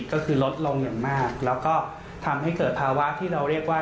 ก็คือลดลงอย่างมากแล้วก็ทำให้เกิดภาวะที่เราเรียกว่า